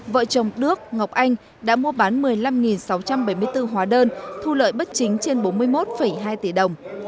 vợ chồng đức ngọc anh đã mua bán một mươi năm sáu trăm bảy mươi bốn hóa đơn thu lợi bất chính trên bốn mươi một hai tỷ đồng